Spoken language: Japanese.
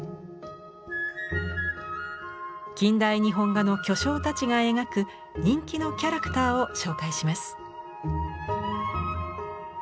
近代日本画の巨匠たちが描く人気のキャラクターを紹介します。